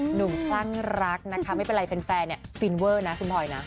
คลั่งรักนะคะไม่เป็นไรแฟนเนี่ยฟินเวอร์นะคุณพลอยนะ